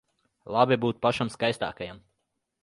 Labi būt pašam skaistākajam.